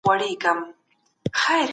د بدن غړي په هر وخت کي په حرکت کي وساتئ.